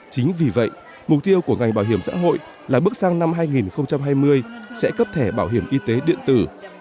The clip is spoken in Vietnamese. chính vì vậy mục tiêu của ngành bảo hiểm xã hội là bước sang năm hai nghìn hai mươi sẽ cấp thẻ bảo hiểm y tế điện tử